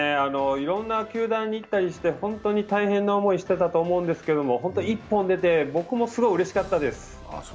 いろんな球団に行ったりして本当に大変な思いしてたと思うんですけど、１本出て、僕もすごいうれしかったです。